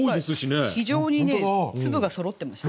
今回非常にね粒がそろってました。